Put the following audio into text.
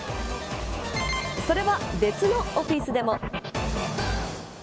それは、別のオフィスでも。